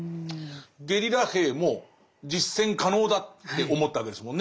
ゲリラ兵も実践可能だって思ったわけですもんね。